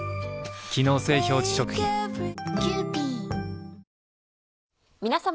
機能性表示食品皆様。